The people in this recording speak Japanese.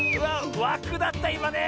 わくだったいまね。